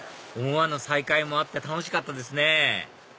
思わぬ再会もあって楽しかったですね